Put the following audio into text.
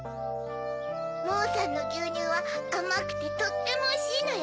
モオさんのぎゅうにゅうはあまくてとってもおいしいのよ！